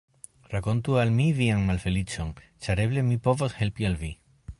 Rakontu al mi vian malfeliĉon, ĉar eble mi povos helpi al vi.